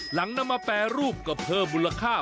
หลังนำมาแปรรูปก็เพิ่มมูลค่า